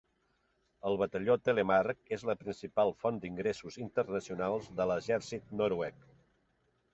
El batalló Telemark és la principal font d'ingressos internacionals de l'exèrcit noruec.